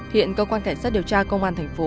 hiện cơ quan cảnh sát điều tra công an thành phố